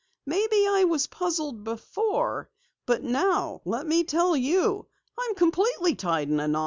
Maybe I was puzzled before, but now, let me tell you, I'm completely tied in a knot!"